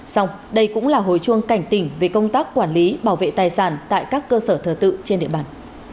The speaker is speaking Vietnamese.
xong đây cũng là hồi chuông cảnh tỉnh về công tác quản lý bảo vệ tài sản tại các cơ sở thờ tự trên địa bàn